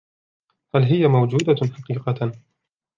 هل هي موجودة حقيقة ؟